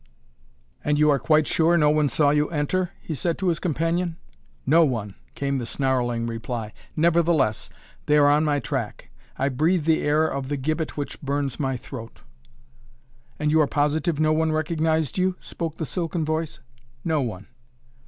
"And you are quite sure no one saw you enter?" he said to his companion. "No one!" came the snarling reply. "Nevertheless they are on my track. I breathe the air of the gibbet which burns my throat." "And you are positive no one recognized you?" spoke the silken voice. "No one."